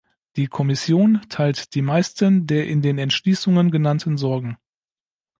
Die Kommission teilt die meisten der in den Entschließungen genannten Sorgen.